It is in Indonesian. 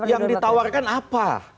yang ditawarkan apa